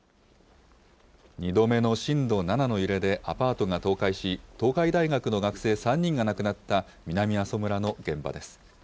２度目の震度７の揺れでアパートが倒壊し、東海大学の学生３人が亡くなった南阿蘇村の現場です。